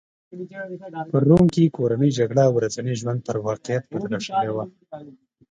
په روم کې کورنۍ جګړه ورځني ژوند پر واقعیت بدله شوې وه